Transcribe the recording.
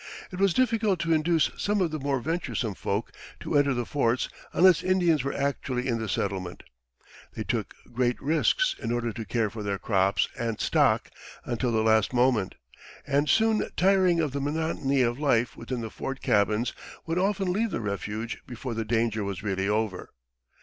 It was difficult to induce some of the more venturesome folk to enter the forts unless Indians were actually in the settlement; they took great risks in order to care for their crops and stock until the last moment; and, soon tiring of the monotony of life within the fort cabins, would often leave the refuge before the danger was really over.